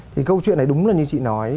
thì câu chuyện này đúng là như chị nói